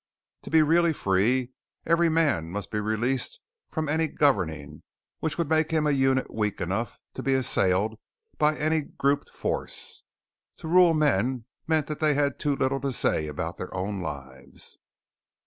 To be really Free, every man must be released from any governing, which would make him a unit weak enough to be assailed by any grouped force. To rule men meant they had too little to say about their own lives.